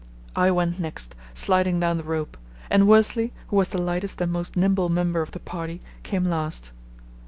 I went next, sliding down the rope, and Worsley, who was the lightest and most nimble member of the party, came last.